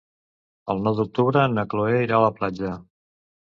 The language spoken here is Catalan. El nou d'octubre na Cloè irà a la platja.